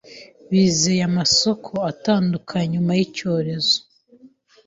bizeye amasoko atandukanye nyuma y' icyorezo